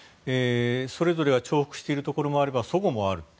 それぞれが重複しているところもあれば齟齬もある。